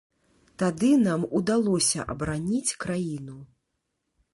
Тады нам удалося абараніць краіну.